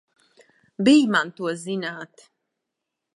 Bij man to zināt!